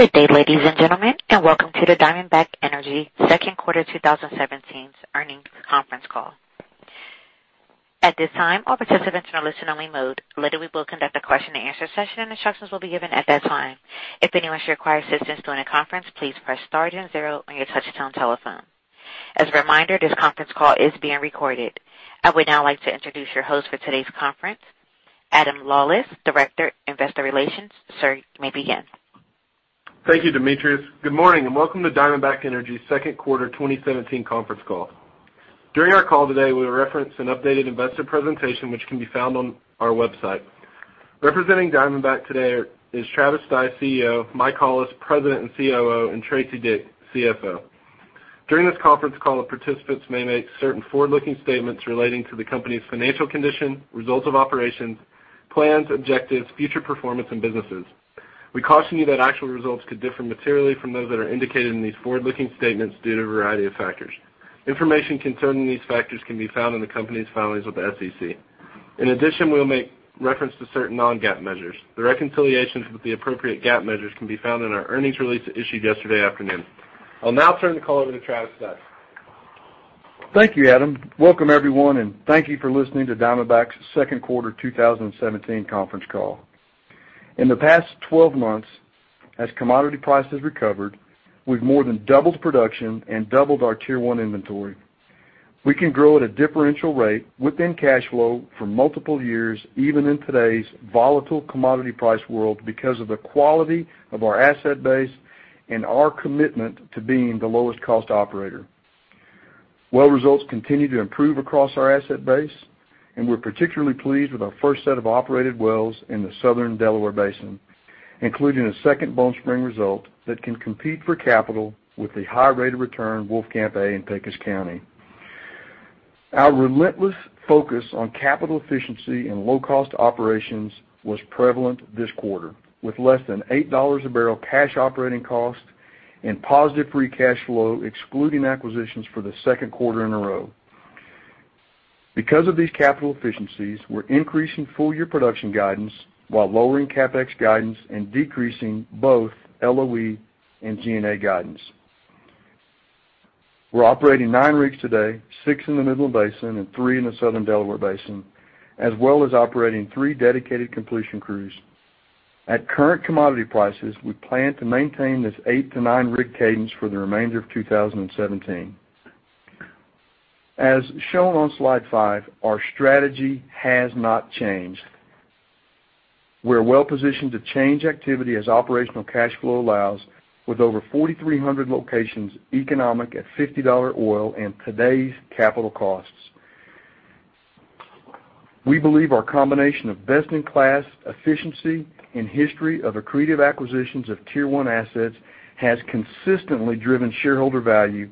Good day, ladies and gentlemen, and welcome to the Diamondback Energy second quarter 2017 earnings conference call. At this time, all participants are in listen-only mode. Later, we will conduct a question-and-answer session and instructions will be given at that time. If anyone should require assistance during the conference, please press star then zero on your touch-tone telephone. As a reminder, this conference call is being recorded. I would now like to introduce your host for today's conference, Adam Lawlis, Director, Investor Relations. Sir, you may begin. Thank you, Demetrius. Good morning, and welcome to Diamondback Energy's second quarter 2017 conference call. During our call today, we will reference an updated investor presentation which can be found on our website. Representing Diamondback today is Travis Stice, CEO; Michael Hollis, President and COO; and Tracy Dick, CFO. During this conference call, participants may make certain forward-looking statements relating to the company's financial condition, results of operations, plans, objectives, future performance, and businesses. We caution you that actual results could differ materially from those that are indicated in these forward-looking statements due to a variety of factors. Information concerning these factors can be found in the company's filings with the SEC. In addition, we will make reference to certain non-GAAP measures. The reconciliations with the appropriate GAAP measures can be found in our earnings release issued yesterday afternoon. I will now turn the call over to Travis Stice. Thank you, Adam. Welcome everyone, and thank you for listening to Diamondback's second quarter 2017 conference call. In the past 12 months, as commodity prices recovered, we have more than doubled production and doubled our Tier 1 inventory. We can grow at a differential rate within cash flow for multiple years, even in today's volatile commodity price world because of the quality of our asset base and our commitment to being the lowest cost operator. Well results continue to improve across our asset base, and we are particularly pleased with our first set of operated wells in the Southern Delaware Basin, including a Second Bone Spring result that can compete for capital with the high rate of return Wolfcamp A in Pecos County. Our relentless focus on capital efficiency and low-cost operations was prevalent this quarter, with less than $8 a barrel cash operating cost and positive free cash flow, excluding acquisitions for the second quarter in a row. Because of these capital efficiencies, we are increasing full-year production guidance while lowering CapEx guidance and decreasing both LOE and G&A guidance. We are operating nine rigs today, six in the Midland Basin and three in the Southern Delaware Basin, as well as operating three dedicated completion crews. At current commodity prices, we plan to maintain this eight to nine rig cadence for the remainder of 2017. As shown on slide five, our strategy has not changed. We are well-positioned to change activity as operational cash flow allows with over 4,300 locations economic at $50 oil and today's capital costs. We believe our combination of best-in-class efficiency and history of accretive acquisitions of Tier 1 assets has consistently driven shareholder value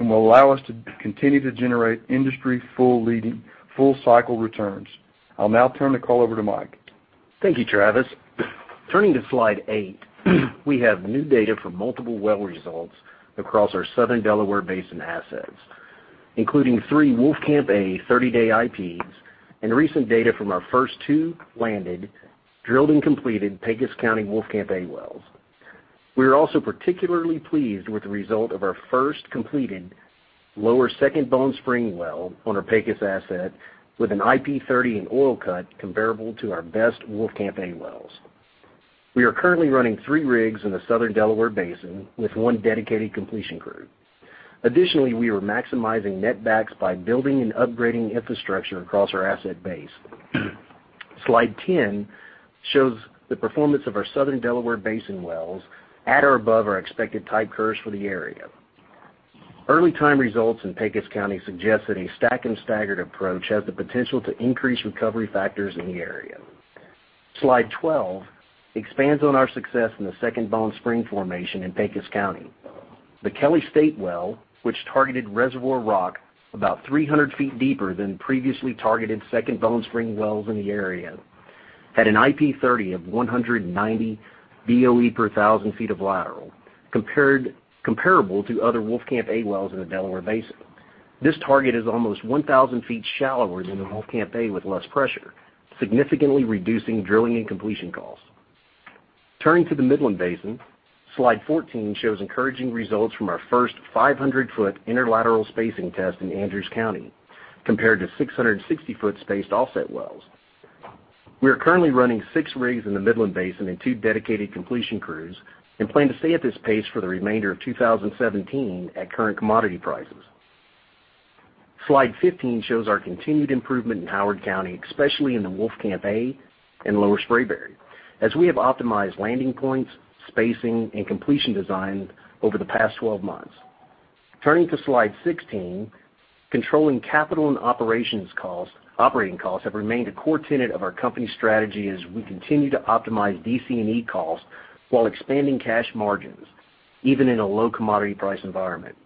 and will allow us to continue to generate industry full cycle returns. I will now turn the call over to Mike. Thank you, Travis. Turning to slide eight, we have new data from multiple well results across our Southern Delaware Basin assets, including three Wolfcamp A 30-day IPs and recent data from our first two landed, drilled, and completed Pecos County Wolfcamp A wells. We are also particularly pleased with the result of our first completed lower Second Bone Spring well on our Pecos asset with an IP 30 and oil cut comparable to our best Wolfcamp A wells. We are currently running three rigs in the Southern Delaware Basin with one dedicated completion crew. Additionally, we are maximizing netbacks by building and upgrading infrastructure across our asset base. Slide 10 shows the performance of our Southern Delaware Basin wells at or above our expected type curves for the area. Early time results in Pecos County suggest that a stack and staggered approach has the potential to increase recovery factors in the area. Slide 12 expands on our success in the Second Bone Spring formation in Pecos County. The Kelly State well, which targeted reservoir rock about 300 feet deeper than previously targeted Second Bone Spring wells in the area, had an IP 30 of 190 BOE per 1,000 feet of lateral comparable to other Wolfcamp A wells in the Delaware Basin. This target is almost 1,000 feet shallower than the Wolfcamp A with less pressure, significantly reducing drilling and completion costs. Turning to the Midland Basin, slide 14 shows encouraging results from our first 500-foot inner lateral spacing test in Andrews County compared to 660-foot spaced offset wells. We are currently running six rigs in the Midland Basin and two dedicated completion crews and plan to stay at this pace for the remainder of 2017 at current commodity prices. Slide 15 shows our continued improvement in Howard County, especially in the Wolfcamp A and Lower Spraberry, as we have optimized landing points, spacing, and completion design over the past 12 months. Turning to slide 16, controlling capital and operations costs, operating costs, have remained a core tenet of our company strategy as we continue to optimize DC&E costs while expanding cash margins, even in a low commodity price environment.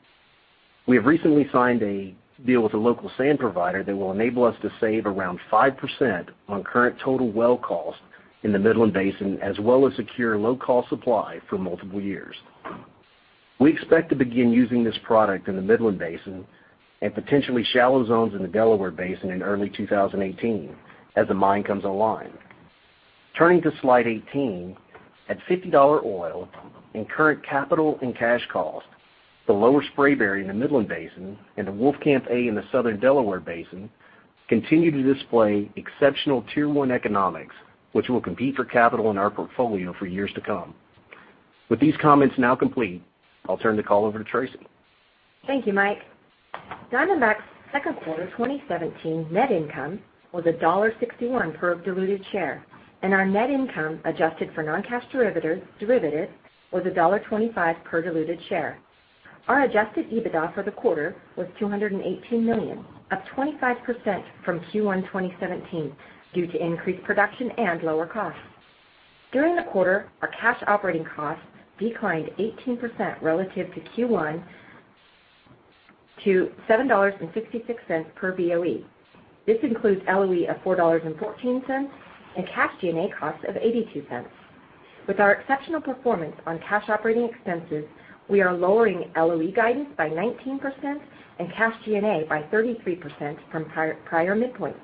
We have recently signed a deal with a local sand provider that will enable us to save around 5% on current total well cost in the Midland Basin, as well as secure low-cost supply for multiple years. We expect to begin using this product in the Midland Basin and potentially shallow zones in the Delaware Basin in early 2018 as the mine comes online. Turning to slide 18, at $50 oil and current capital and cash costs, the Lower Spraberry in the Midland Basin and the Wolfcamp A in the Southern Delaware Basin continue to display exceptional Tier 1 economics, which will compete for capital in our portfolio for years to come. With these comments now complete, I'll turn the call over to Tracy. Thank you, Mike. Diamondback's second quarter 2017 net income was $1.61 per diluted share. Our net income adjusted for non-cash derivative was $1.25 per diluted share. Our adjusted EBITDA for the quarter was $218 million, up 25% from Q1 2017 due to increased production and lower costs. Our cash operating costs declined 18% relative to Q1 to $7.66 per BOE. This includes LOE of $4.14 and cash G&A costs of $0.82. With our exceptional performance on cash operating expenses, we are lowering LOE guidance by 19% and cash G&A by 33% from prior midpoint.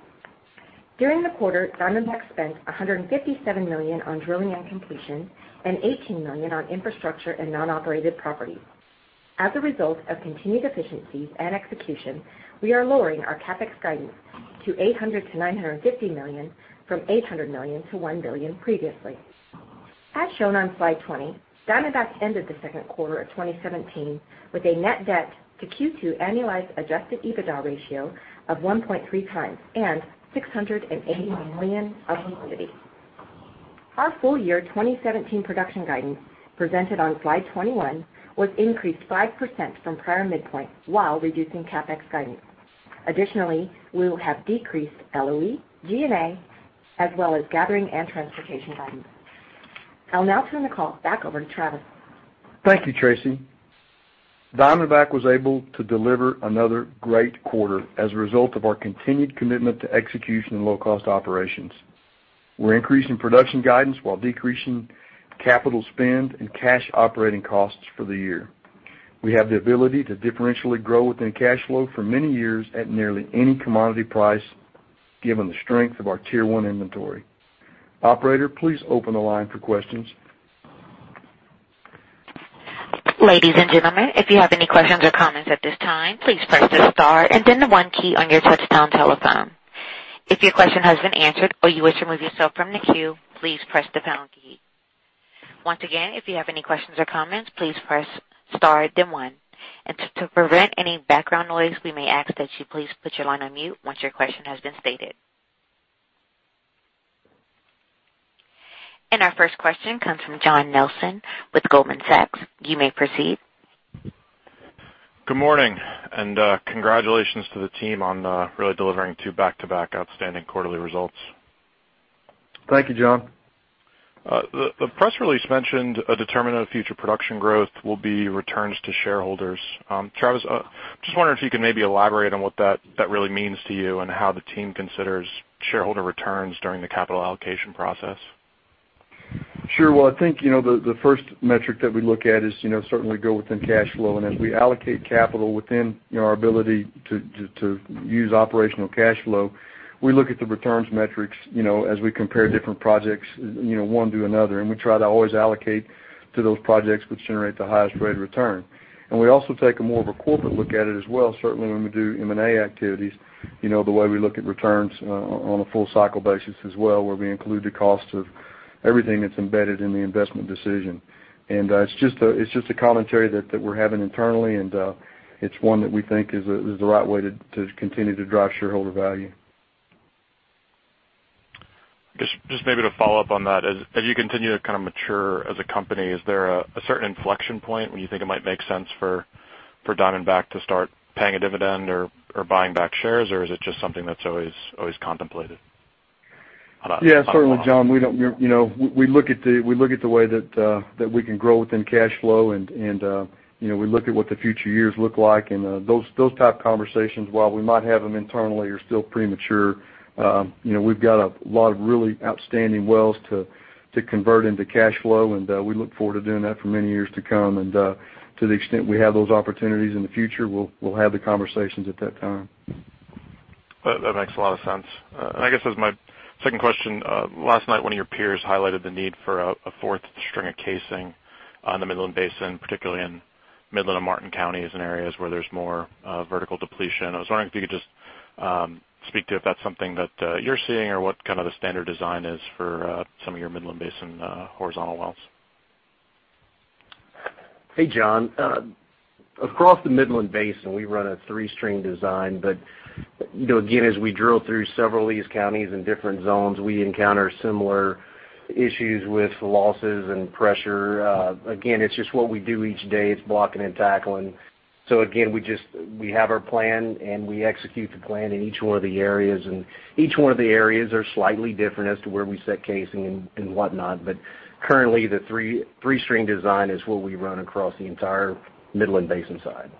During the quarter, Diamondback spent $157 million on drilling and completion and $18 million on infrastructure and non-operated properties. Result of continued efficiencies and execution, we are lowering our CapEx guidance to $800 million-$950 million from $800 million-$1 billion previously. Shown on slide 20, Diamondback ended the second quarter of 2017 with a net debt to Q2 annualized adjusted EBITDA ratio of 1.3 times and $680 million of liquidity. Our full year 2017 production guidance presented on slide 21 was increased 5% from prior midpoint while reducing CapEx guidance. We will have decreased LOE, G&A, as well as gathering and transportation guidance. I'll now turn the call back over to Travis. Thank you, Tracy. Diamondback was able to deliver another great quarter as a result of our continued commitment to execution and low-cost operations. We're increasing production guidance while decreasing capital spend and cash operating costs for the year. We have the ability to differentially grow within cash flow for many years at nearly any commodity price, given the strength of our Tier 1 inventory. Operator, please open the line for questions. Ladies and gentlemen, if you have any questions or comments at this time, please press the star and then the one key on your touchtone telephone. If your question has been answered, or you wish to remove yourself from the queue, please press the pound key. Once again, if you have any questions or comments, please press star then one. To prevent any background noise, we may ask that you please put your line on mute once your question has been stated. Our first question comes from John Nelson with Goldman Sachs. You may proceed. Good morning, congratulations to the team on really delivering two back-to-back outstanding quarterly results. Thank you, John. The press release mentioned a determinant of future production growth will be returns to shareholders. Travis, just wondering if you could maybe elaborate on what that really means to you and how the team considers shareholder returns during the capital allocation process. Sure. Well, I think, the first metric that we look at is certainly go within cash flow. As we allocate capital within our ability to use operational cash flow, we look at the returns metrics as we compare different projects, one to another, and we try to always allocate to those projects which generate the highest rate of return. We also take a more of a corporate look at it as well, certainly when we do M&A activities, the way we look at returns on a full cycle basis as well, where we include the cost of everything that's embedded in the investment decision. It's just a commentary that we're having internally, and it's one that we think is the right way to continue to drive shareholder value. Just maybe to follow up on that, as you continue to kind of mature as a company, is there a certain inflection point when you think it might make sense for Diamondback to start paying a dividend or buying back shares, or is it just something that's always contemplated? Yeah, certainly John. We look at the way that we can grow within cash flow, and we look at what the future years look like and those type conversations, while we might have them internally, are still premature. We've got a lot of really outstanding wells to convert into cash flow, and we look forward to doing that for many years to come. To the extent we have those opportunities in the future, we'll have the conversations at that time. That makes a lot of sense. I guess as my second question, last night, one of your peers highlighted the need for a fourth string of casing on the Midland Basin, particularly in Midland and Martin County and areas where there's more vertical depletion. I was wondering if you could just speak to if that's something that you're seeing or what the standard design is for some of your Midland Basin horizontal wells. Hey, John. Across the Midland Basin, we run a three-string design. Again, as we drill through several of these counties and different zones, we encounter similar issues with losses and pressure. Again, it's just what we do each day. It's blocking and tackling. Again, we have our plan, and we execute the plan in each one of the areas. Each one of the areas are slightly different as to where we set casing and whatnot. Currently, the three-string design is what we run across the entire Midland Basin side.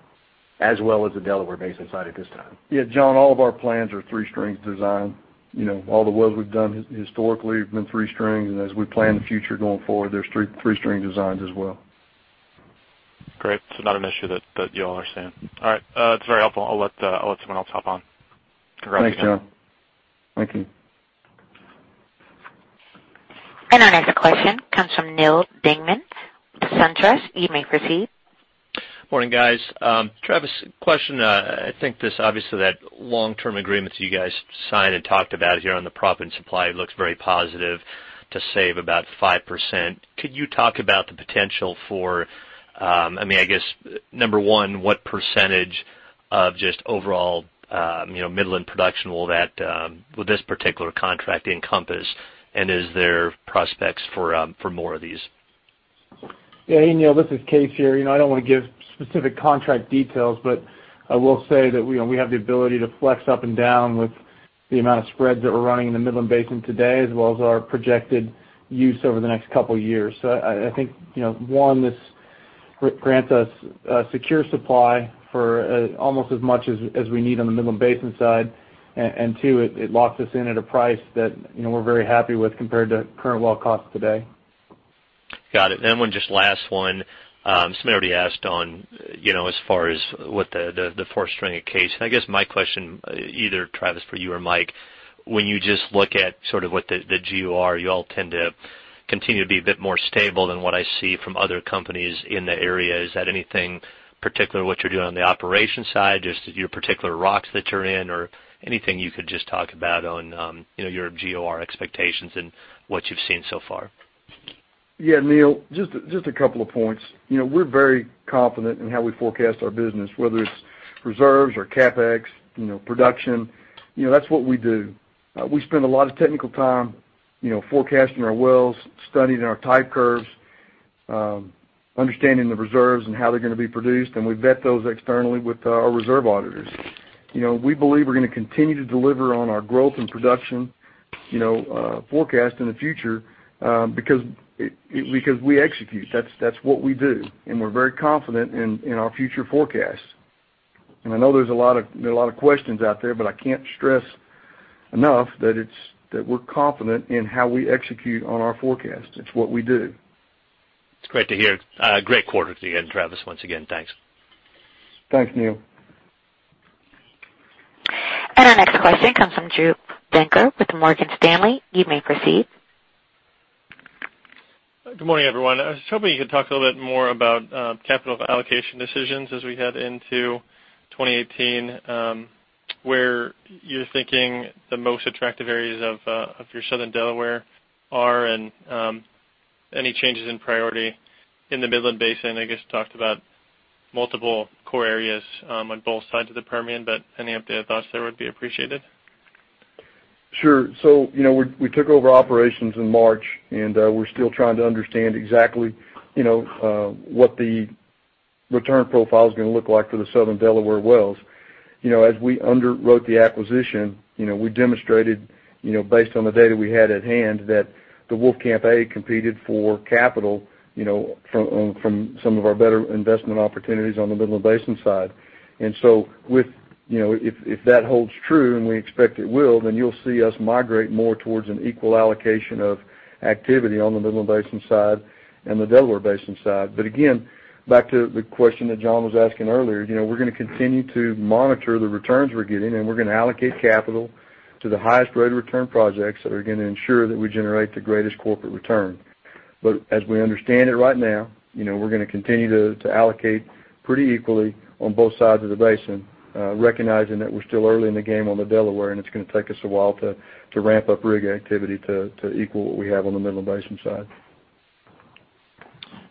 As well as the Delaware Basin side at this time. Yeah, John, all of our plans are three-string design. All the wells we've done historically have been three-strings, and as we plan the future going forward, they're three-string designs as well. Great. Not an issue that you all are seeing. All right. That's very helpful. I'll let someone else hop on. Thanks, John. Thanks. Thank you. Our next question comes from Neal Dingmann with SunTrust. You may proceed. Morning, guys. Travis, question, I think this, obviously, that long-term agreement you guys signed and talked about here on the proppant supply looks very positive to save about 5%. Could you talk about the potential for, I guess, number 1, what percentage of just overall Midland production will this particular contract encompass? Is there prospects for more of these? Yeah. Hey, Neal, this is Kaes here. I don't want to give specific contract details, but I will say that we have the ability to flex up and down with the amount of spreads that we're running in the Midland Basin today, as well as our projected use over the next couple of years. I think, one, this grants us a secure supply for almost as much as we need on the Midland Basin side, and two, it locks us in at a price that we're very happy with compared to current well cost today. Got it. Then one, just last one, somebody already asked on as far as what the fourth string of Kaes, and I guess my question, either Travis for you or Mike, when you just look at sort of what the GOR, you all tend to continue to be a bit more stable than what I see from other companies in the area. Is that anything particular what you're doing on the operation side, just your particular rocks that you're in or anything you could just talk about on your GOR expectations and what you've seen so far? Yeah, Neal, just a couple of points. We're very confident in how we forecast our business, whether it's reserves or CapEx, production. That's what we do. We spend a lot of technical time forecasting our wells, studying our type curves, understanding the reserves and how they're going to be produced, and we vet those externally with our reserve auditors. We believe we're going to continue to deliver on our growth and production forecast in the future, because we execute. That's what we do, and we're very confident in our future forecasts. I know there's a lot of questions out there, but I can't stress enough that we're confident in how we execute on our forecast. It's what we do. It's great to hear. Great quarter at the end, Travis, once again, Thanks. Thanks, Neal. Our next question comes from Drew Lock with Morgan Stanley. You may proceed. Good morning, everyone. I was hoping you could talk a little bit more about capital allocation decisions as we head into 2018, where you're thinking the most attractive areas of your Southern Delaware are and any changes in priority in the Midland Basin. I guess you talked about multiple core areas on both sides of the Permian, but any updated thoughts there would be appreciated. Sure. We took over operations in March, and we're still trying to understand exactly what the return profile is going to look like for the Southern Delaware wells. As we underwrote the acquisition, we demonstrated, based on the data we had at hand, that the Wolfcamp A competed for capital from some of our better investment opportunities on the Midland Basin side. If that holds true, and we expect it will, then you'll see us migrate more towards an equal allocation of activity on the Midland Basin side and the Delaware Basin side. Again, back to the question that John was asking earlier, we're going to continue to monitor the returns we're getting, and we're going to allocate capital to the highest rate of return projects that are going to ensure that we generate the greatest corporate return. As we understand it right now, we're going to continue to allocate pretty equally on both sides of the basin, recognizing that we're still early in the game on the Delaware, and it's going to take us a while to ramp up rig activity to equal what we have on the Midland Basin side.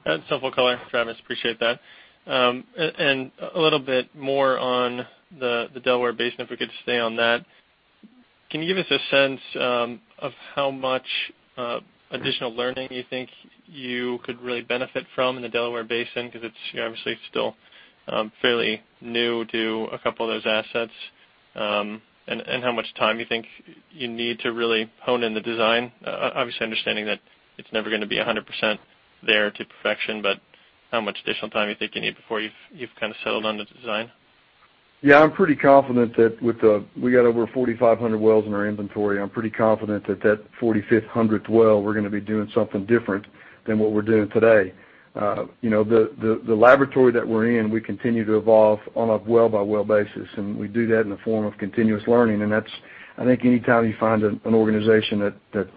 That's helpful color, Travis, appreciate that. A little bit more on the Delaware Basin, if we could stay on that. Can you give us a sense of how much additional learning you think you could really benefit from in the Delaware Basin? Because it's obviously still fairly new to a couple of those assets, and how much time you think you need to really hone in the design, obviously understanding that it's never going to be 100% there to perfection, but how much additional time you think you need before you've kind of settled on the design? Yeah, I'm pretty confident that we got over 4,500 wells in our inventory. I'm pretty confident that that 4,500th well, we're going to be doing something different than what we're doing today. The laboratory that we're in, we continue to evolve on a well-by-well basis, and we do that in the form of continuous learning. That's, I think anytime you find an organization that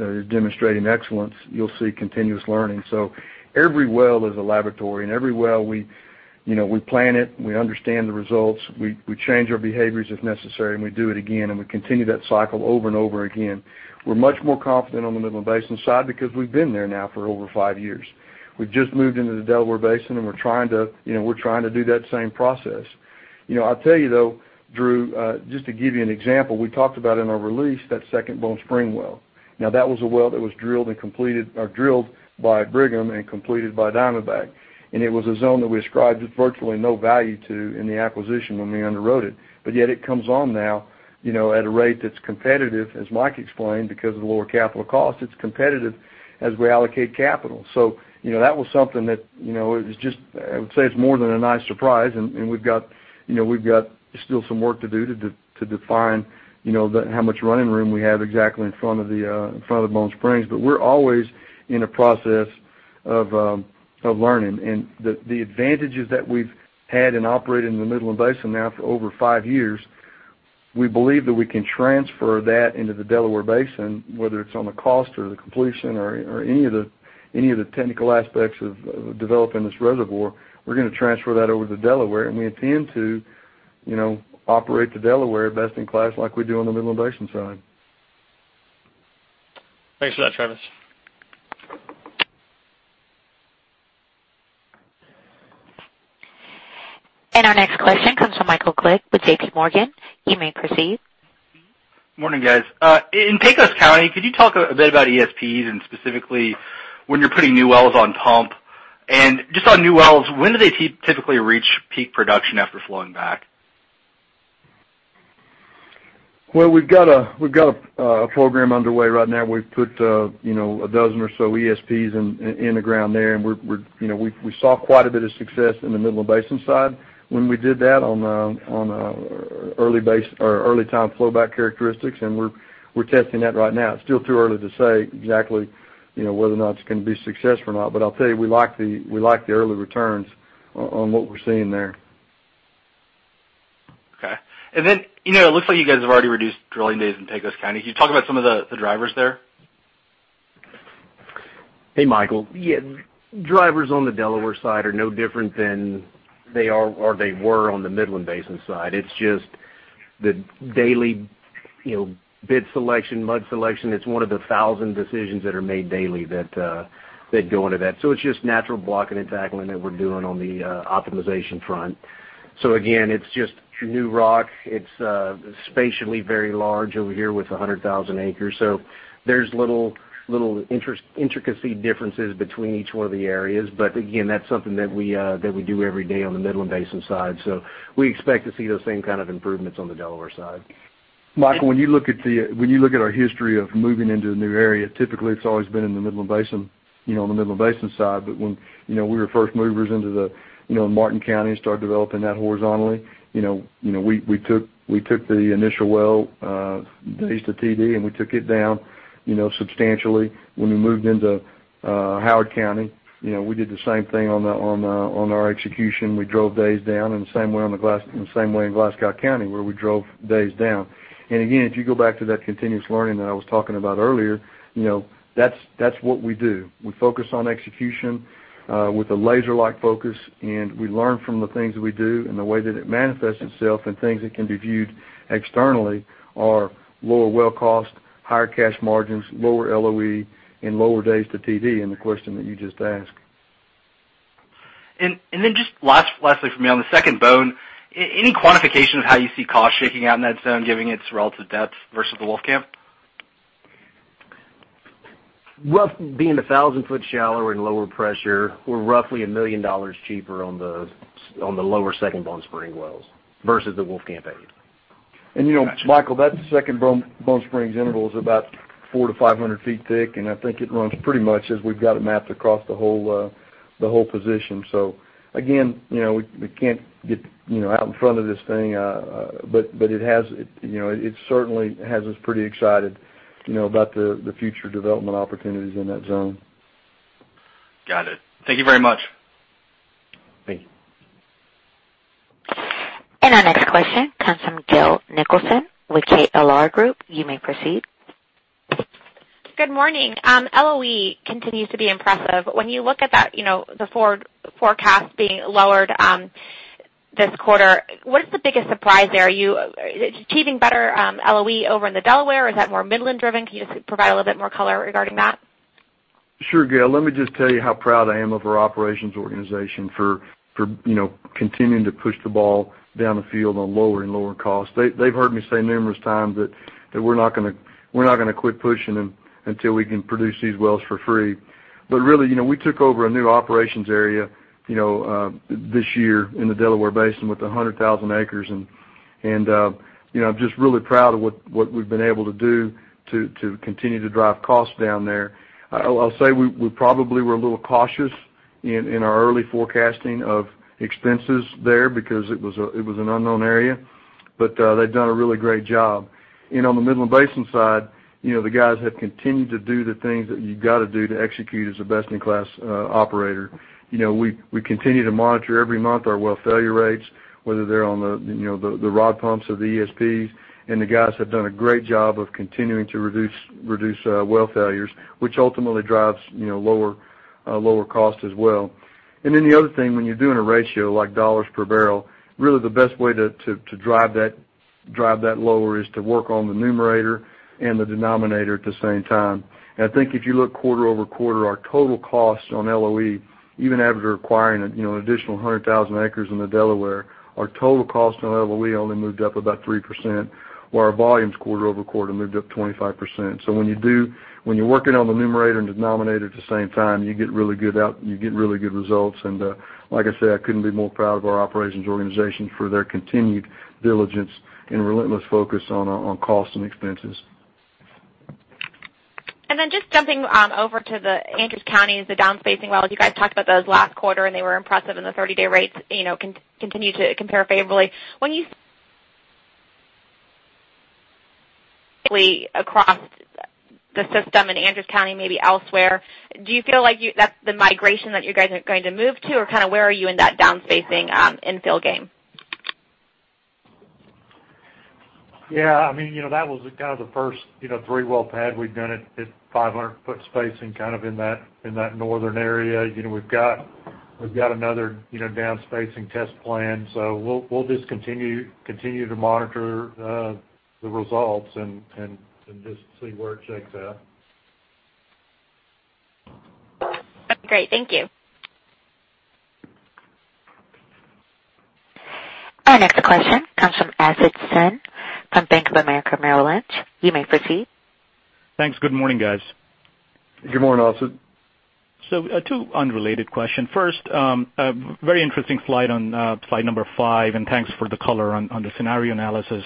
are demonstrating excellence, you'll see continuous learning. Every well is a laboratory, and every well we plan it, we understand the results, we change our behaviors if necessary, and we do it again, and we continue that cycle over and over again. We're much more confident on the Midland Basin side because we've been there now for over five years. We've just moved into the Delaware Basin, and we're trying to do that same process. I'll tell you, though, Drew, just to give you an example, we talked about in our release that second Bone Spring well. Now that was a well that was drilled by Brigham and completed by Diamondback, and it was a zone that we ascribed with virtually no value to in the acquisition when we underwrote it. Yet it comes on now, at a rate that's competitive, as Mike explained, because of the lower capital cost. It's competitive as we allocate capital. That was something that, I would say it's more than a nice surprise, and we've got still some work to do to define how much running room we have exactly in front of the Bone Springs. We're always in a process of learning, and the advantages that we've had in operating in the Midland Basin now for over five years, we believe that we can transfer that into the Delaware Basin, whether it's on the cost of the completion or any of the technical aspects of developing this reservoir. We're going to transfer that over to Delaware, and we intend to operate the Delaware best in class like we do on the Midland Basin side. Thanks for that, Travis. Our next question comes from Michael Glick with JPMorgan. You may proceed. Morning, guys. In Pecos County, could you talk a bit about ESPs and specifically when you're putting new wells on pump? Just on new wells, when do they typically reach peak production after flowing back? Well, we've got a program underway right now. We've put a dozen or so ESPs in the ground there, and we saw quite a bit of success in the Midland Basin side when we did that on early time flowback characteristics, and we're testing that right now. It's still too early to say exactly whether or not it's going to be successful or not. I'll tell you, we like the early returns on what we're seeing there. Okay. It looks like you guys have already reduced drilling days in Pecos County. Can you talk about some of the drivers there? Hey, Michael. Yeah. Drivers on the Delaware side are no different than they are, or they were, on the Midland Basin side. It's just the daily bit selection, mud selection. It's one of the 1,000 decisions that are made daily that go into that. It's just natural blocking and tackling that we're doing on the optimization front. Again, it's just new rock. It's spatially very large over here with 100,000 acres, so there's little intricacy differences between each one of the areas. Again, that's something that we do every day on the Midland Basin side. We expect to see those same kind of improvements on the Delaware side. Michael, when you look at our history of moving into a new area, typically it's always been in the Midland Basin side. When we were first movers into the Martin County and started developing that horizontally, we took the initial well days to TD, and we took it down substantially. When we moved into Howard County, we did the same thing on our execution. We drove days down in the same way in Glasscock County, where we drove days down. Again, if you go back to that continuous learning that I was talking about earlier, that's what we do. We focus on execution, with a laser-like focus, we learn from the things that we do and the way that it manifests itself and things that can be viewed externally are lower well cost, higher cash margins, lower LOE and lower days to TD in the question that you just asked. Just lastly from me, on the Second Bone, any quantification of how you see costs shaking out in that zone, given its relative depth versus the Wolfcamp? Well, being 1,000 feet shallower and lower pressure, we're roughly $1 million cheaper on the Lower Second Bone Spring wells versus the Wolfcamp A. Michael, that Second Bone Spring interval is about 400 to 500 feet thick, and I think it runs pretty much as we've got it mapped across the whole position. Again, we can't get out in front of this thing, but it certainly has us pretty excited about the future development opportunities in that zone. Got it. Thank you very much. Thank you. Our next question comes from Gail Nicholson with KLR Group. You may proceed. Good morning. LOE continues to be impressive. When you look at the forecast being lowered this quarter, what is the biggest surprise there? Are you achieving better LOE over in the Delaware, or is that more Midland driven? Can you just provide a little bit more color regarding that? Sure, Gail. Let me just tell you how proud I am of our operations organization for continuing to push the ball down the field on lower and lower costs. They've heard me say numerous times that we're not going to quit pushing until we can produce these wells for free. Really, we took over a new operations area this year in the Delaware Basin with 100,000 acres, and I'm just really proud of what we've been able to do to continue to drive costs down there. I'll say we probably were a little cautious in our early forecasting of expenses there because it was an unknown area, but they've done a really great job. On the Midland Basin side, the guys have continued to do the things that you got to do to execute as a best-in-class operator. We continue to monitor every month our well failure rates, whether they're on the rod pumps or the ESPs, and the guys have done a great job of continuing to reduce well failures, which ultimately drives lower cost as well. The other thing, when you're doing a ratio like $ per barrel, really the best way to drive that lower is to work on the numerator and the denominator at the same time. I think if you look quarter-over-quarter, our total cost on LOE, even after acquiring an additional 100,000 acres in the Delaware, our total cost on LOE only moved up about 3%, while our volumes quarter-over-quarter moved up 25%. When you're working on the numerator and denominator at the same time, you get really good results. Like I said, I couldn't be more proud of our operations organization for their continued diligence and relentless focus on cost and expenses. Just jumping over to the Andrews County, the down-spacing well. You guys talked about those last quarter, and they were impressive. The 30-day rates continue to compare favorably. When you across the system in Andrews County, maybe elsewhere, do you feel like that's the migration that you guys are going to move to, or where are you in that down-spacing infill game? Yeah. That was the first three-well pad. We've done it at 500-foot spacing in that northern area. We've got another down-spacing test plan. We'll just continue to monitor the results and just see where it shakes out. Great. Thank you. Our next question comes from Asad Siddique from Bank of America Merrill Lynch. You may proceed. Thanks. Good morning, guys. Good morning, Asad. Two unrelated question. First, very interesting slide on slide number five, thanks for the color on the scenario analysis.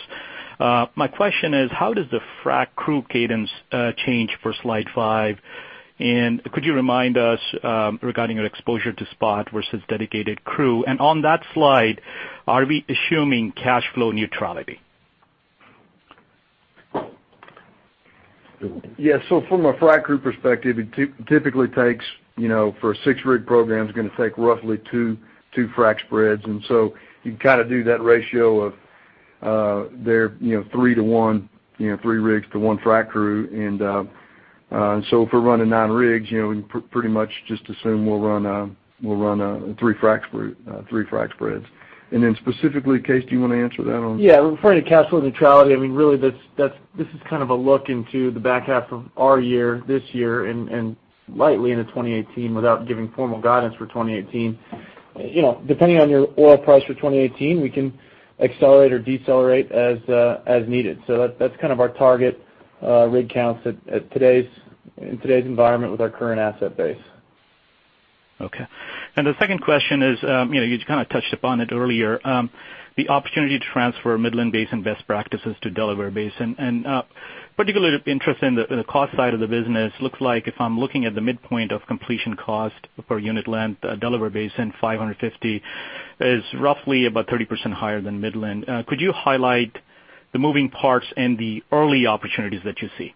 My question is, how does the frac crew cadence change for slide five? Could you remind us regarding your exposure to spot versus dedicated crew? On that slide, are we assuming cash flow neutrality? From a frac crew perspective, for a six-rig program, it's going to take roughly two frac spreads. You can do that ratio of their three to one, three rigs to one frac crew. Specifically, Kaes, do you want to answer that? Referring to cash flow neutrality, really this is a look into the back half of our year this year and lightly into 2018 without giving formal guidance for 2018. Depending on your oil price for 2018, we can accelerate or decelerate as needed. That's our target rig counts in today's environment with our current asset base. Okay. The second question is, you touched upon it earlier, the opportunity to transfer Midland Basin best practices to Delaware Basin. Particularly interested in the cost side of the business. Looks like if I'm looking at the midpoint of completion cost per unit length, Delaware Basin $550 is roughly about 30% higher than Midland. Could you highlight the moving parts and the early opportunities that you see?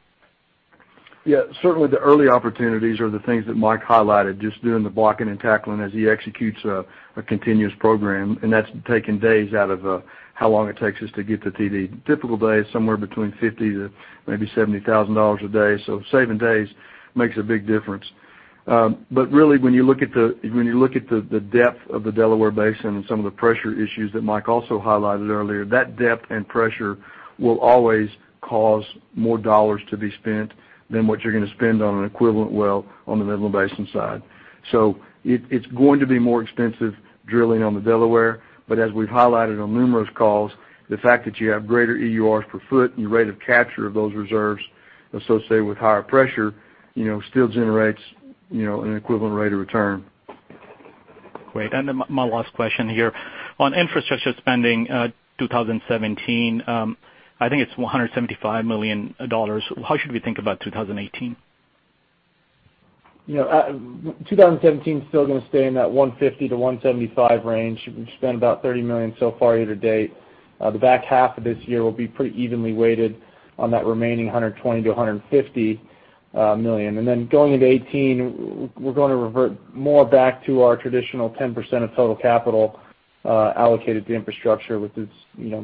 Yeah. Certainly, the early opportunities are the things that Mike highlighted, just doing the blocking and tackling as he executes a continuous program. That's taking days out of how long it takes us to get to TD. Typical day is somewhere between $50,000-$70,000 a day. Saving days makes a big difference. Really, when you look at the depth of the Delaware Basin and some of the pressure issues that Mike also highlighted earlier, that depth and pressure will always cause more dollars to be spent than what you're going to spend on an equivalent well on the Midland Basin side. It's going to be more expensive drilling on the Delaware. As we've highlighted on numerous calls, the fact that you have greater EURs per foot and your rate of capture of those reserves associated with higher pressure still generates an equivalent rate of return. Great. My last question here. On infrastructure spending 2017, I think it's $175 million. How should we think about 2018? 2017 is still going to stay in that 150-175 range. We've spent about $30 million so far year to date. The back half of this year will be pretty evenly weighted on that remaining $120 million-$150 million. Going into 2018, we're going to revert more back to our traditional 10% of total capital allocated to infrastructure, which is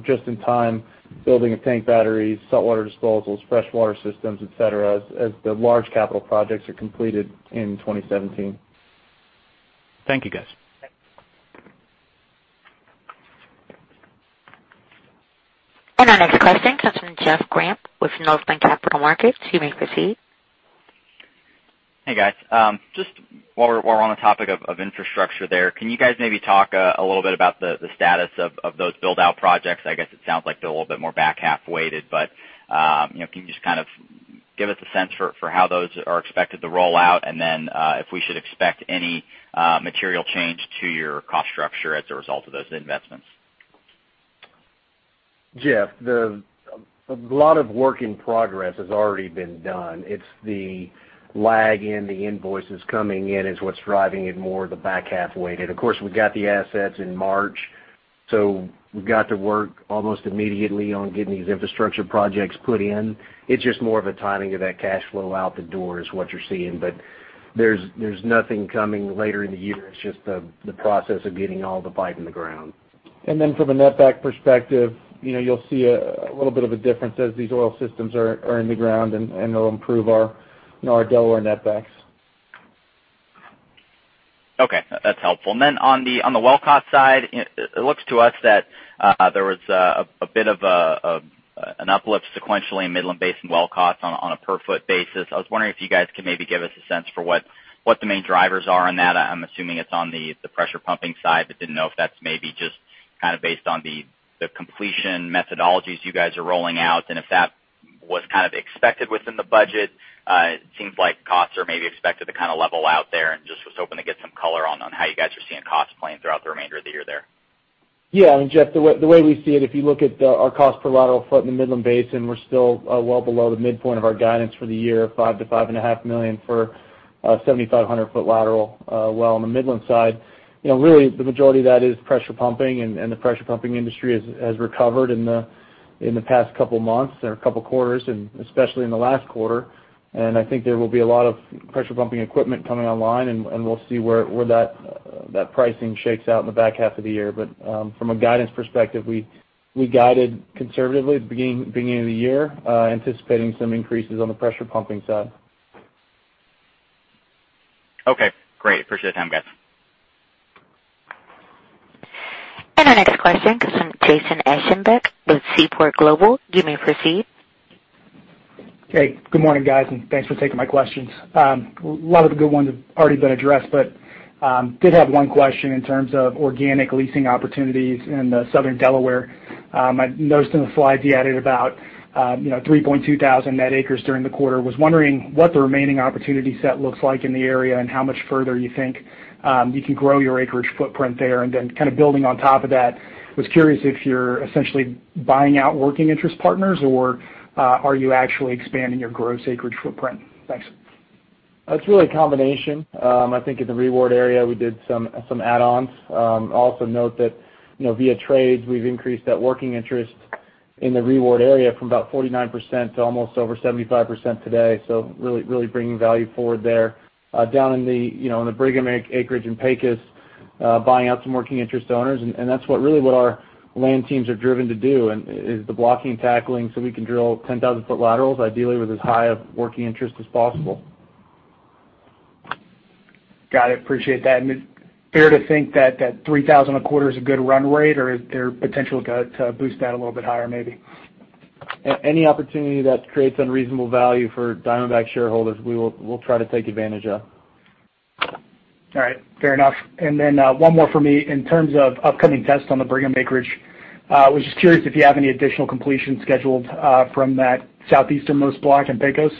just in time building of tank batteries, saltwater disposals, freshwater systems, et cetera, as the large capital projects are completed in 2017. Thank you, guys. Our next question comes from Jeff Grampp with Northland Capital Markets. You may proceed. Hey, guys. Just while we're on the topic of infrastructure there, can you guys maybe talk a little bit about the status of those build-out projects? I guess it sounds like they're a little bit more back-half weighted, but can you just give us a sense for how those are expected to roll out, and then if we should expect any material change to your cost structure as a result of those investments? Jeff, a lot of work in progress has already been done. It's the lag in the invoices coming in is what's driving it more the back-half weighted. Of course, we got the assets in March, we got to work almost immediately on getting these infrastructure projects put in. It's just more of a timing of that cash flow out the door is what you're seeing. There's nothing coming later in the year. It's just the process of getting all the pipe in the ground. From a netback perspective, you'll see a little bit of a difference as these oil systems are in the ground, and they'll improve our Delaware netbacks. Okay. That's helpful. On the well cost side, it looks to us that there was a bit of an uplift sequentially in Midland Basin well costs on a per foot basis. I was wondering if you guys could maybe give us a sense for what the main drivers are on that. I'm assuming it's on the pressure pumping side, but didn't know if that's maybe just based on the completion methodologies you guys are rolling out, and if that was expected within the budget. It seems like costs are maybe expected to level out there, and just was hoping to get some color on how you guys are seeing costs playing throughout the remainder of the year there. Yeah. Jeff, the way we see it, if you look at our cost per lateral foot in the Midland Basin, we're still well below the midpoint of our guidance for the year, $5 million-$5.5 million for a 7,500-foot lateral well on the Midland side. Really, the majority of that is pressure pumping, and the pressure pumping industry has recovered in the past couple months or couple quarters, and especially in the last quarter. I think there will be a lot of pressure pumping equipment coming online, and we'll see where that pricing shakes out in the back half of the year. From a guidance perspective, we guided conservatively at the beginning of the year, anticipating some increases on the pressure pumping side. Okay, great. Appreciate the time, guys. Our next question comes from Jason Aschenbach with Seaport Global. You may proceed. Hey, good morning, guys, and thanks for taking my questions. A lot of the good ones have already been addressed, but did have one question in terms of organic leasing opportunities in the Southern Delaware. I noticed in the slides you added about 3.2 thousand net acres during the quarter. Was wondering what the remaining opportunity set looks like in the area, and how much further you think you can grow your acreage footprint there? Then building on top of that, was curious if you're essentially buying out working interest partners, or are you actually expanding your gross acreage footprint? Thanks. It's really a combination. I think in the Reward area, we did some add-ons. Also note that via trades, we've increased that working interest in the Reward area from about 49% to almost over 75% today, so really bringing value forward there. Down in the Brigham acreage in Pecos, buying out some working interest owners, and that's really what our land teams are driven to do is the blocking and tackling, so we can drill 10,000-foot laterals, ideally with as high of working interest as possible. Got it. Appreciate that. Is it fair to think that 3,000 a quarter is a good run rate, or is there potential to boost that a little bit higher, maybe? Any opportunity that creates unreasonable value for Diamondback shareholders, we'll try to take advantage of. All right, fair enough. One more for me. In terms of upcoming tests on the Brigham acreage, was just curious if you have any additional completions scheduled from that southeastern-most block in Pecos.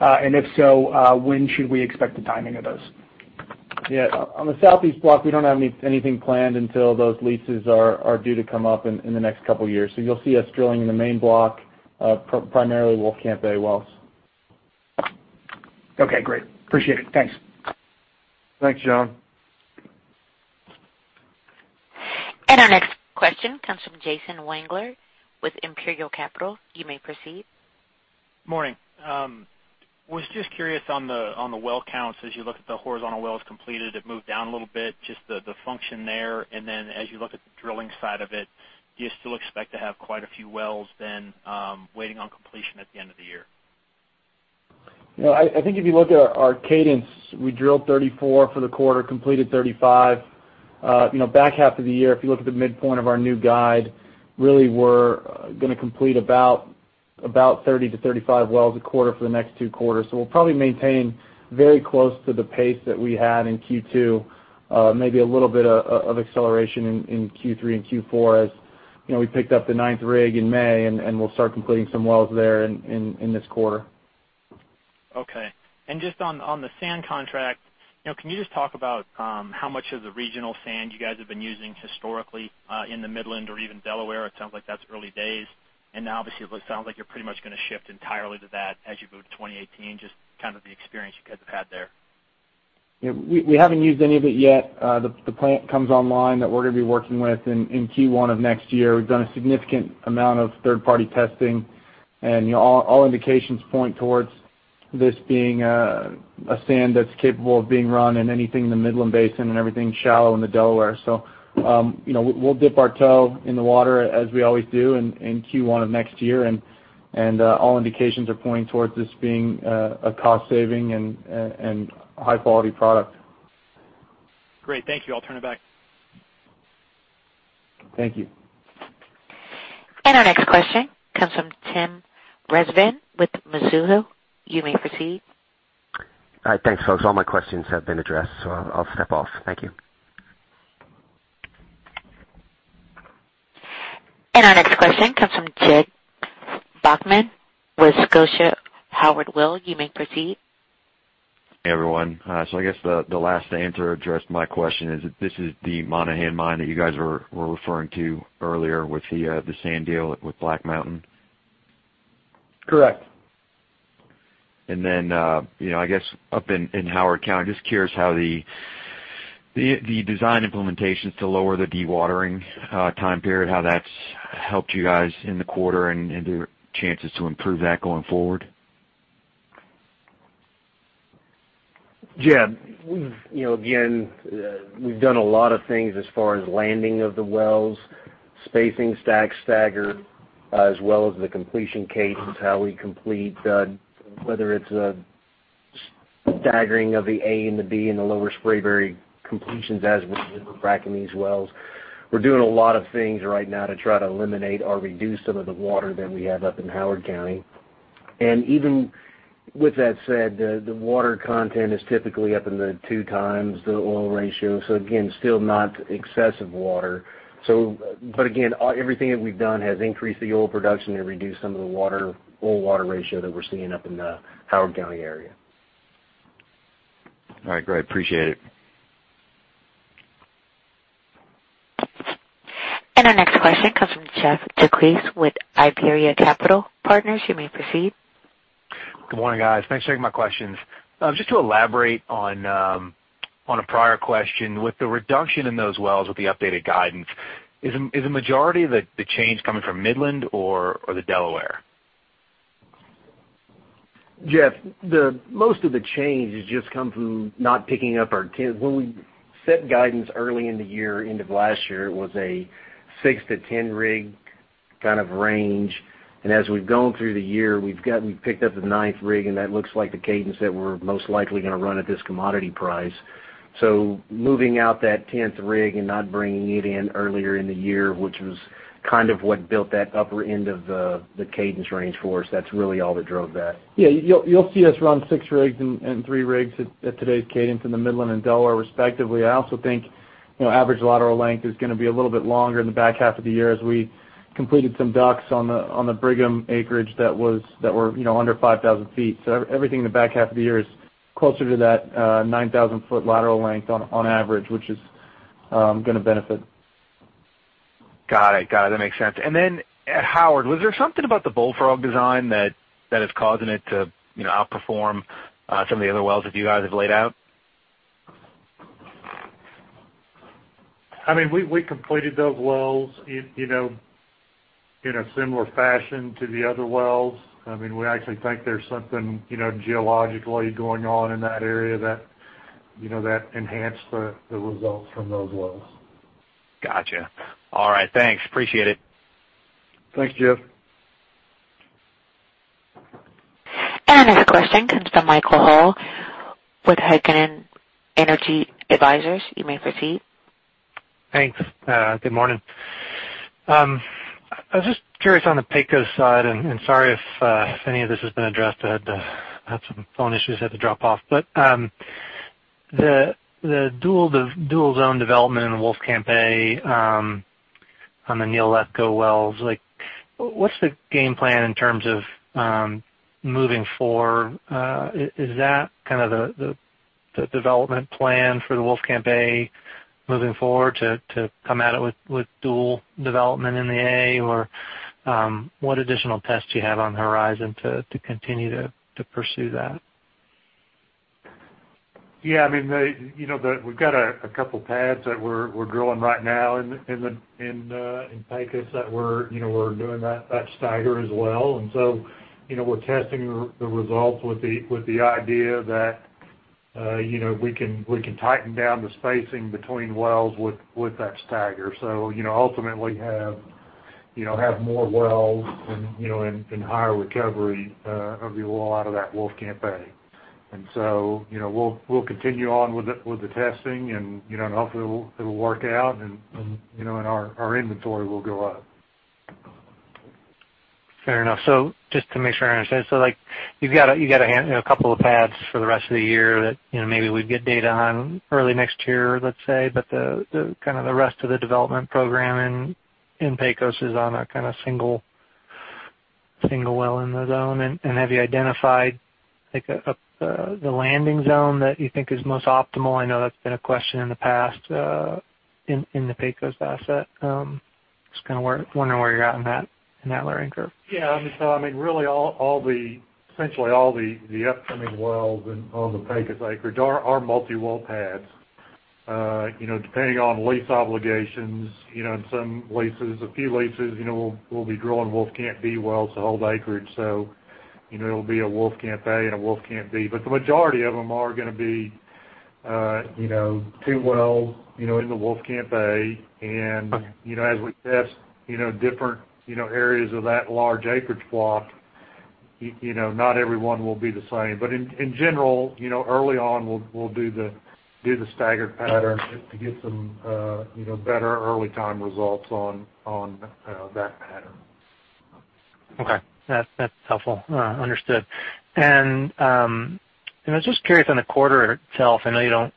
If so, when should we expect the timing of those? Yeah. On the southeast block, we don't have anything planned until those leases are due to come up in the next couple years. You'll see us drilling in the main block, primarily Wolfcamp A wells. Okay, great. Appreciate it. Thanks. Thanks, Jason. Our next question comes from Jason Wangler with Imperial Capital. You may proceed. Morning. Was just curious on the well counts, as you look at the horizontal wells completed, it moved down a little bit, just the function there. Then as you look at the drilling side of it, do you still expect to have quite a few wells then waiting on completion at the end of the year? I think if you look at our cadence, we drilled 34 for the quarter, completed 35. Back half of the year, if you look at the midpoint of our new guide, really we're going to complete about 30 to 35 wells a quarter for the next two quarters. We'll probably maintain very close to the pace that we had in Q2, maybe a little bit of acceleration in Q3 and Q4 as we picked up the ninth rig in May, and we'll start completing some wells there in this quarter. Okay. On the sand contract, can you just talk about how much of the regional sand you guys have been using historically in the Midland or even Delaware? It sounds like that's early days. Now obviously, it sounds like you're pretty much going to shift entirely to that as you go to 2018, just the experience you guys have had there. We haven't used any of it yet. The plant comes online that we're going to be working with in Q1 of next year. We've done a significant amount of third-party testing, and all indications point towards this being a sand that's capable of being run in anything in the Midland Basin and everything shallow in the Delaware. We'll dip our toe in the water as we always do in Q1 of next year, and all indications are pointing towards this being a cost saving and high-quality product. Great. Thank you. I'll turn it back. Thank you. Our next question comes from Tim Rezvan with Mizuho. You may proceed. All right, thanks, folks. All my questions have been addressed, so I'll step off. Thank you. Our next question comes from Jeb Bachmann with Scotia Howard Weil. You may proceed. I guess the last answer addressed my question is if this is the Monahans Mine that you guys were referring to earlier with the sand deal with Black Mountain? Correct. I guess up in Howard County, just curious how the design implementations to lower the dewatering time period, how that's helped you guys in the quarter and the chances to improve that going forward? Jeb, again, we've done a lot of things as far as landing of the wells Spacing stack stagger, as well as the completion cadence, how we complete, whether it's a staggering of the A and the B in the Lower Spraberry completions, as we're fracking these wells. We're doing a lot of things right now to try to eliminate or reduce some of the water that we have up in Howard County. Even with that said, the water content is typically up in the 2 times the oil ratio. Again, still not excessive water. Again, everything that we've done has increased the oil production and reduced some of the oil water ratio that we're seeing up in the Howard County area. All right, great. Appreciate it. Our next question comes from [Jeff DeCuis] with Iberia Capital Partners. You may proceed. Good morning, guys. Thanks for taking my questions. Just to elaborate on a prior question, with the reduction in those wells with the updated guidance, is the majority of the change coming from Midland or the Delaware? Jeff, most of the change has just come from not picking up our 10. When we set guidance early in the year into last year, it was a six to 10-rig range. As we've gone through the year, we've picked up the ninth rig, and that looks like the cadence that we're most likely going to run at this commodity price. Moving out that 10th rig and not bringing it in earlier in the year, which was what built that upper end of the cadence range for us, that's really all that drove that. Yeah. You'll see us run six rigs and three rigs at today's cadence in the Midland and Delaware, respectively. I also think average lateral length is going to be a little bit longer in the back half of the year as we completed some docks on the Brigham acreage that were under 5,000 feet. Everything in the back half of the year is closer to that 9,000-foot lateral length on average, which is going to benefit. Got it. That makes sense. At Howard, was there something about the Bullfrog design that is causing it to outperform some of the other wells that you guys have laid out? We completed those wells in a similar fashion to the other wells. We actually think there's something geologically going on in that area that enhanced the results from those wells. Got you. All right. Thanks, appreciate it. Thanks, Jeff. Our next question comes from Michael Hall with Heikkinen Energy Advisors. You may proceed. Thanks. Good morning. I was just curious on the Pecos side. Sorry if any of this has been addressed. I had some phone issues I had to drop off. The dual zone development in Wolfcamp A on the Lego wells, what's the game plan in terms of moving forward? Is that the development plan for the Wolfcamp A moving forward to come at it with dual development in the A, or what additional tests do you have on the horizon to continue to pursue that? Yeah. We've got a couple pads that we're drilling right now in Pecos that we're doing that stagger as well. We're testing the results with the idea that we can tighten down the spacing between wells with that stagger. Ultimately have more wells and higher recovery of the oil out of that Wolfcamp A. We'll continue on with the testing, and hopefully it'll work out, and our inventory will go up. Fair enough. Just to make sure I understand. You've got a couple of pads for the rest of the year that maybe we'd get data on early next year, let's say, but the rest of the development program in Pecos is on a single well in the zone. Have you identified the landing zone that you think is most optimal? I know that's been a question in the past in the Pecos asset. Just wondering where you're at in that learning curve. Yeah. Essentially all the upcoming wells on the Pecos acreage are multi-well pads. Depending on lease obligations, in some leases, a few leases, we'll be drilling Wolfcamp B wells to hold acreage. It'll be a Wolfcamp A and a Wolfcamp B. The majority of them are going to be two wells in the Wolfcamp A. As we test different areas of that large acreage block, not every one will be the same. In general, early on, we'll do the staggered pattern to get some better early time results on that pattern. Okay. That's helpful. Understood. I was just curious on the quarter itself, I know you don't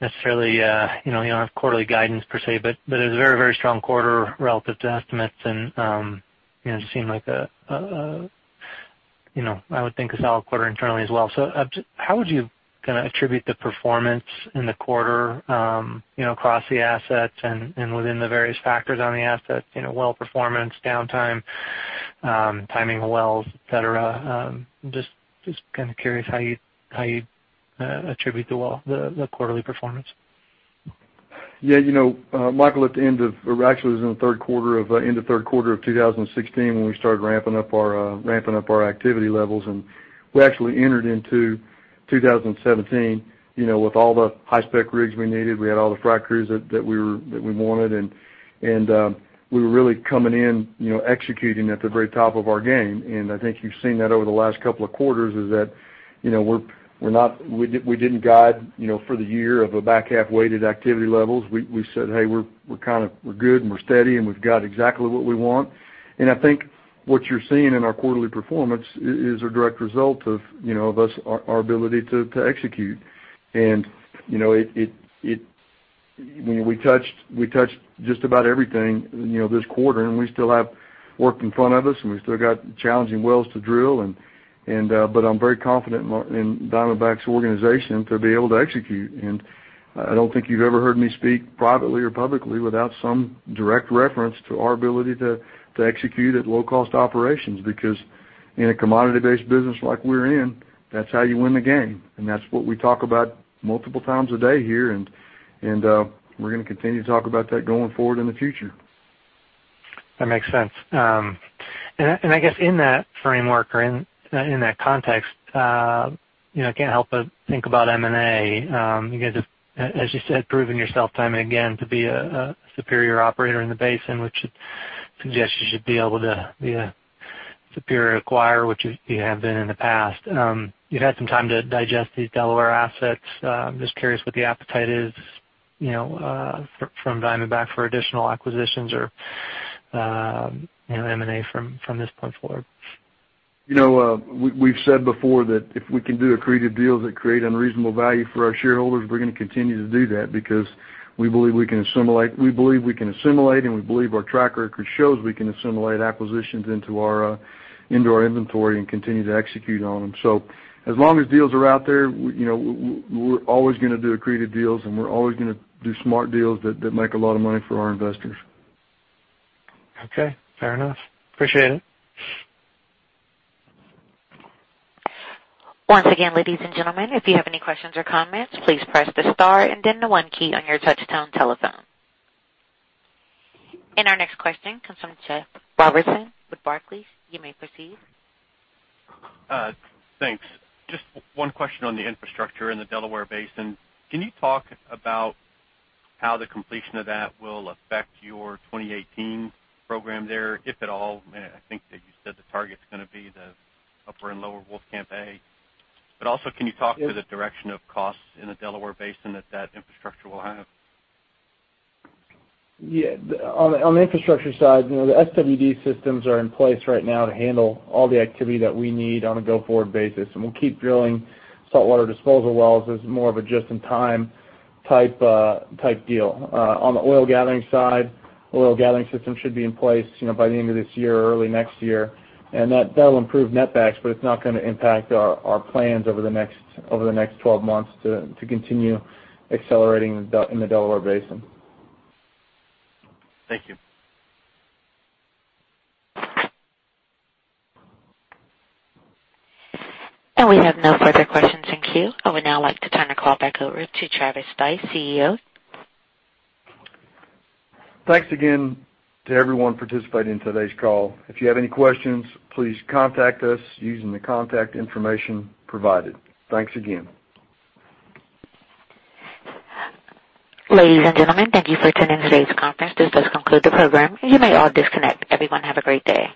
have quarterly guidance per se, it was a very strong quarter relative to estimates, just seemed like a, I would think, a solid quarter internally as well. How would you attribute the performance in the quarter across the assets and within the various factors on the assets, well performance, downtime, timing of wells, et cetera? Just curious how you attribute the quarterly performance. Yeah. Michael, actually, it was in the third quarter of 2016 when we started ramping up our activity levels, we actually entered into 2017 with all the high-spec rigs we needed. We had all the frac crews that we wanted, we were really coming in, executing at the very top of our game. I think you've seen that over the last couple of quarters, is that we didn't guide for the year of a back-half-weighted activity levels. We said, "Hey, we're good and we're steady, and we've got exactly what we want." I think what you're seeing in our quarterly performance is a direct result of our ability to execute. We touched just about everything this quarter, we still have work in front of us, we've still got challenging wells to drill. I'm very confident in Diamondback's organization to be able to execute. I don't think you've ever heard me speak privately or publicly without some direct reference to our ability to execute at low-cost operations. In a commodity-based business like we're in, that's how you win the game, and that's what we talk about multiple times a day here, and we're going to continue to talk about that going forward in the future. That makes sense. I guess in that framework or in that context, I can't help but think about M&A. You guys have, as you said, proven yourself time and again to be a superior operator in the basin, which suggests you should be able to be a superior acquirer, which you have been in the past. You've had some time to digest these Delaware assets. I'm just curious what the appetite is from Diamondback for additional acquisitions or M&A from this point forward. We've said before that if we can do accretive deals that create unreasonable value for our shareholders, we're going to continue to do that because we believe we can assimilate, and we believe our track record shows we can assimilate acquisitions into our inventory and continue to execute on them. As long as deals are out there, we're always going to do accretive deals, and we're always going to do smart deals that make a lot of money for our investors. Fair enough. Appreciate it. Once again, ladies and gentlemen, if you have any questions or comments, please press the star and then the one key on your touch-tone telephone. Our next question comes from Jeff Robertson with Barclays. You may proceed. Thanks. Just one question on the infrastructure in the Delaware Basin. Can you talk about how the completion of that will affect your 2018 program there, if at all? I think that you said the target's going to be the upper and lower Wolfcamp A. Also, can you talk to the direction of costs in the Delaware Basin that that infrastructure will have? Yeah. On the infrastructure side, the SWD systems are in place right now to handle all the activity that we need on a go-forward basis, and we'll keep drilling saltwater disposal wells as more of a just-in-time type deal. On the oil gathering side, oil gathering system should be in place by the end of this year or early next year, and that'll improve netbacks, but it's not going to impact our plans over the next 12 months to continue accelerating in the Delaware Basin. Thank you. We have no further questions in queue. I would now like to turn the call back over to Travis Stice, CEO. Thanks again to everyone participating in today's call. If you have any questions, please contact us using the contact information provided. Thanks again. Ladies and gentlemen, thank you for attending today's conference. This does conclude the program. You may all disconnect. Everyone, have a great day.